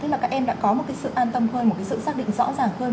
một cái sự an tâm hơn một cái sự xác định rõ ràng hơn